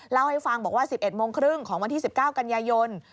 เล่าให้ฟังบอกว่า๑๑โมงครึ่งของวันที่๑๙กันยายน